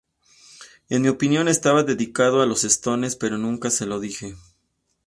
En mi opinión, estaba dedicado a los Stones, pero nunca se los dije.